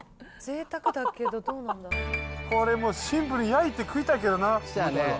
これもう、シンプルに焼いて食いたいけどな。